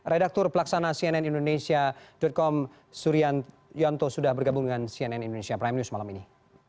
redaktur pelaksana cnn indonesia com suryanto sudah bergabung dengan cnn indonesia prime news malam ini